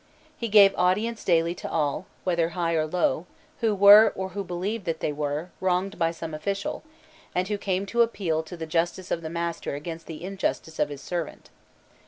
He gave audience daily to all, whether high or low, who were, or believed that they were, wronged by some official, and who came to appeal to the justice of the master against the injustice of his servant.